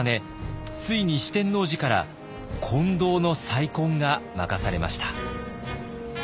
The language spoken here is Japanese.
ついに四天王寺から金堂の再建が任されました。